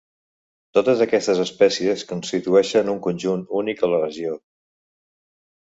Totes aquestes espècies constitueixen un conjunt únic a la regió.